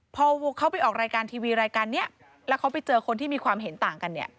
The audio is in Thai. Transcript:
พอเขาไปออกรายการทีวีรายการนี้แล้วเขาไปเจอคนที่มีความเห็นต่างกันเนี่ย